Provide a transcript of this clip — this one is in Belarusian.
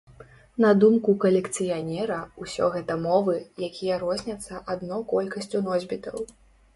На думку калекцыянера, усё гэта мовы, якія розняцца адно колькасцю носьбітаў.